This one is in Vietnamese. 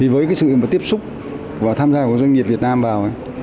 với sự tiếp xúc và tham gia của doanh nghiệp việt nam vào